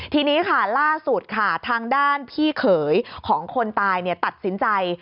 ทีนี้ค่ะล่าสุดค่ะทางด้านพี่เขยของคนตายตัดสินใจ